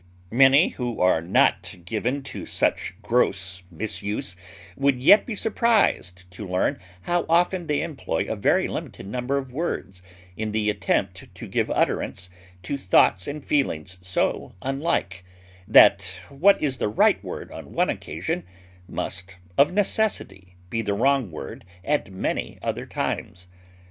Many who are not given to such gross misuse would yet be surprised to learn how often they employ a very limited number of words in the attempt to give utterance to thoughts and feelings so unlike, that what is the right word on one occasion must of necessity be the wrong word at many other times.